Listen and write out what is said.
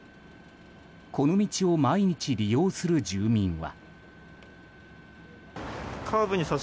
この道を毎日利用する住民は。